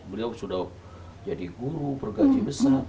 beliau sudah jadi guru bergaji besar